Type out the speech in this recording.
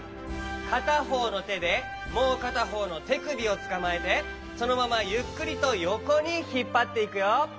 かたほうのてでもうかたほうのてくびをつかまえてそのままゆっくりとよこにひっぱっていくよ！